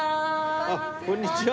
あっこんにちは。